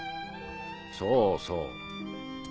そうそう。